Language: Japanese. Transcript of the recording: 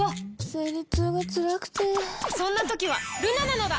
生理痛がつらくてそんな時はルナなのだ！